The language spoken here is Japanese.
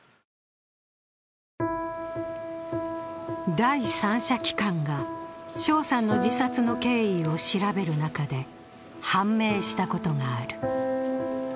第三者機関が翔さんの自殺の経緯を調べる中で判明したことがある。